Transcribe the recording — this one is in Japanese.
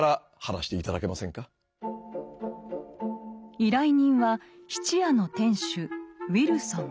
依頼人は質屋の店主・ウィルソン。